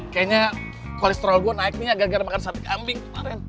kayaknya kolesterol gue naik nih agak gagal makan sate kambing kemarin